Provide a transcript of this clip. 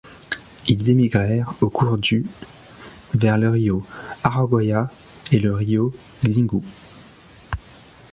Ils émigrèrent au cours du vers le Rio Araguaia et le rio Xingu.